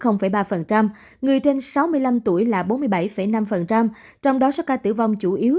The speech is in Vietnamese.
người trên sáu mươi năm tuổi là bốn mươi bảy năm trong đó số ca tử vong chủ yếu